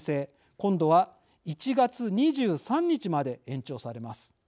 今度は１月２３日まで延長されます。